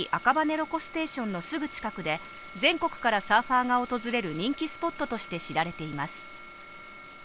ロコステーションのすぐ近くで全国からサーファーが訪れる人気スポットとして知られています。